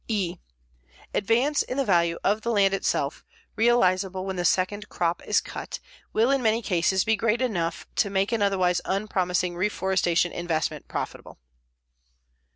(e) Advance in value of the land itself, realizable when the second crop is cut, will in many cases be great enough to make an otherwise unpromising reforestation investment profitable.